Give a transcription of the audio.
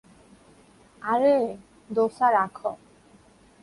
আরে দোসা রাখ।